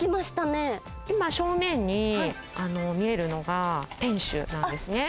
萩原さん：今、正面に見えるのが天守なんですね。